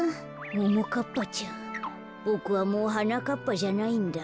ももかっぱちゃんボクはもうはなかっぱじゃないんだ。